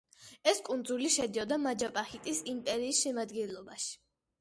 ეს კუნძული შედიოდა მაჯაპაჰიტის იმპერიის შემადგენლობაში.